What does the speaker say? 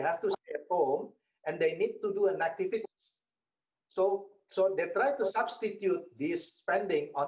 oke teman teman anda bisa lihat presentasinya